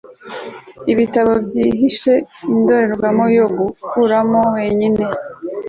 Ibitabo byihishe indorerwamo yo gukuramo wenyine